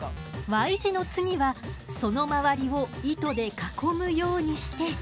Ｙ字の次はその周りを糸で囲むようにして。